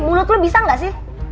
mulut lu bisa gak sih